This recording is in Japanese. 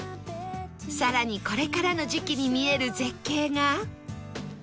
更にこれからの時期に見える絶景が